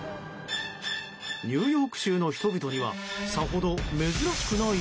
ニューヨーク州の人々にはさほど珍しくない？